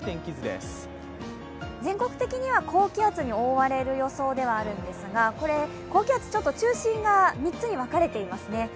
全国的には高気圧に覆われる予想ではあるんですが、高気圧、中心が３つに分かれていますね。